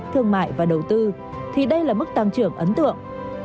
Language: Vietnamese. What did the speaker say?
thương mại và đầu tư thì đây là mức tăng trưởng ấn tượng